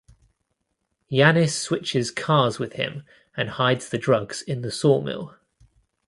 Yanis switches cars with him and hides the drugs in the sawmill.